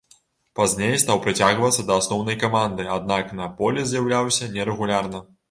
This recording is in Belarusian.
Пазней стаў прыцягвацца да асноўнай каманды, аднак на полі з'яўляўся нерэгулярна.